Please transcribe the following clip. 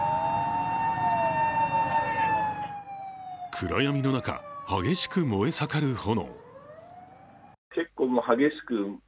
暗闇の中、激しく燃え盛る炎。